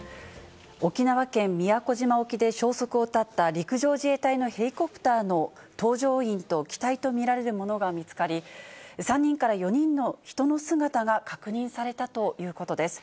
沖縄県宮古島沖で消息を絶った陸上自衛隊のヘリコプターの搭乗員と機体と見られるものが見つかり、３人から４人の人の姿が確認されたということです。